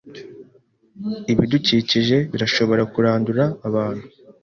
ibidukikije birashobora kurandura abantu.